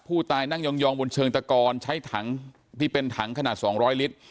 ผู้ตายนั่งยองบนเชิงตะกอนใช้ถังที่เป็นถังขนาด๒๐๐ลิตร